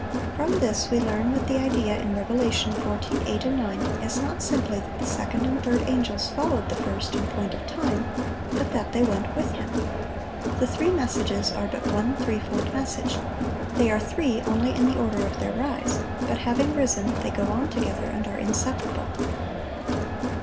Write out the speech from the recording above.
From this we learn that the idea in Rev. 14:8, 9, is not simply that the second and third angels followed the first in point of time, but that they went with him. The three messages are but one threefold message. They are three only in the order of their rise. But having risen, they go on together, and are inseparable.